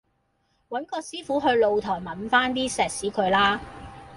搵個師傅去露台忟番啲石屎佢啦